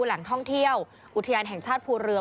แหล่งท่องเที่ยวอุทยานแห่งชาติภูเรือ